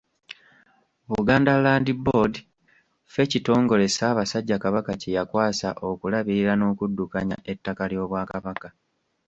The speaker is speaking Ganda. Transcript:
Buganda Land Board, ffe kitongole, Ssaabasajja Kabaka kye yakwasa okulabirira n’okuddukanya ettaka ly’Obwakabaka.